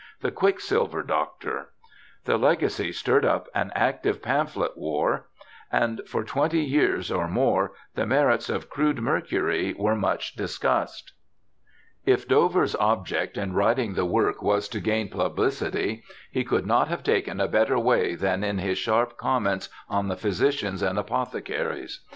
The Quicksilver Doctor. The Legacy stirred up an active pamphlet war, and for THOMAS DOVER 33 twenty years or more the merits of crude mercury were much discussed. If Dover's object in writing the work was to gain pubHcity, he could not have taken a better way than in his sharp comments on the physicians and apothe caries.